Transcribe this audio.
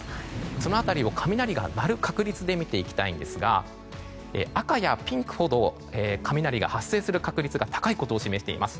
その辺りを雷が鳴る確率で見ていきたいんですが赤やピンクほど雷が発生する確率が高いことを示しています。